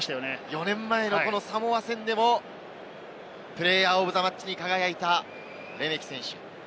４年前のサモア戦でもプレーヤー・オブ・ザ・マッチに輝いたレメキ選手。